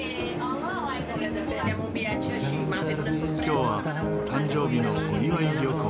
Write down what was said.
今日は誕生日のお祝い旅行。